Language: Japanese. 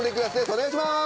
お願いします！